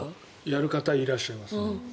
やる方いらっしゃいます。